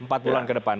empat bulan ke depan